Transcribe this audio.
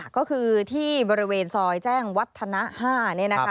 ก็คือที่บริเวณซอยแจ้งวัฒนะ๕นี่นะคะ